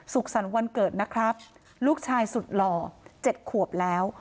สรรค์วันเกิดนะครับลูกชายสุดหล่อ๗ขวบแล้ว